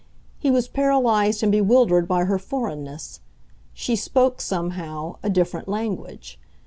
He was paralyzed and bewildered by her foreignness. She spoke, somehow, a different language.